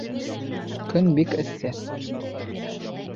Көн бик эҫе.